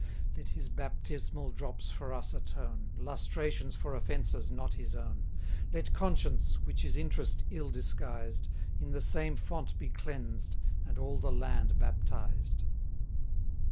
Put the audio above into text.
Let his baptismal drops for us atone; Lustrations for offences not his own. 190 Let Conscience, which is Interest ill disguised, In the same font be cleansed, and all the land baptized.